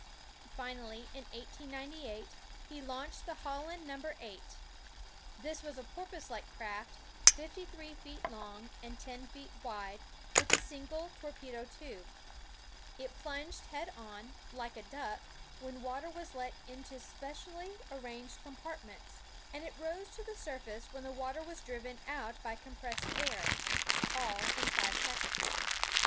Finally, in 1898, he launched the Holland No. 8, This was a porpoise like craft, fifty three feet long and ten feet wide, with a single SECTION OF THE HOLLAND SUBMARINE OF I90I torpedo tube. It plunged head on, like a duck, when water was let into specially arranged compartments, and it rose to the surface when the water was driven out by compressed air, — all in five seconds.